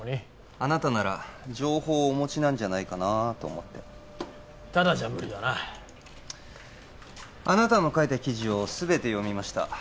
あなたなら情報をお持ちなんじゃないかなと思ってタダじゃ無理だなあなたの書いた記事を全て読みました